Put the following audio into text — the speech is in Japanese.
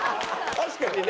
確かにね。